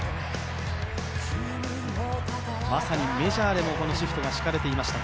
まさにメジャーでもこのシフトが敷かれていました。